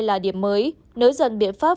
là điểm mới nới dần biện pháp